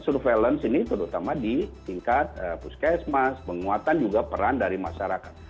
surveillance ini terutama di tingkat puskesmas penguatan juga peran dari masyarakat